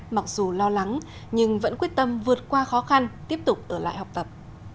mặc dù lo lắng nhưng vẫn quyết tâm vượt qua khó khăn tiếp tục ở lại học tập